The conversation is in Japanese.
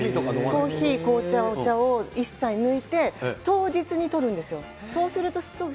コーヒー、紅茶、お茶を一切抜いて、当日にとるんですよ。